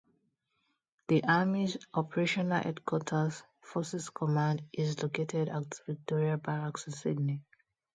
The Army's operational headquarters, Forces Command, is located at Victoria Barracks in Sydney.